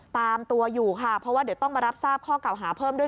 ตามตัวอยู่ค่ะเพราะว่าเดี๋ยวต้องมารับทราบข้อเก่าหาเพิ่มด้วย